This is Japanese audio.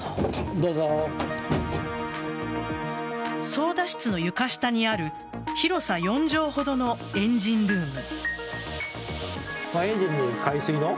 操舵室の床下にある広さ４畳ほどのエンジンルーム。